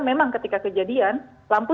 memang ketika kejadian lampu